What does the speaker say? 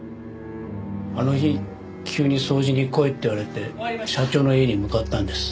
あの日急に掃除に来いって言われて社長の家に向かったんです。